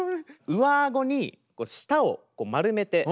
上あごに舌を丸めて。